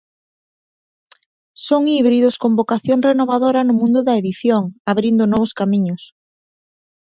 Son híbridos con vocación renovadora no mundo da edición, abrindo novos camiños.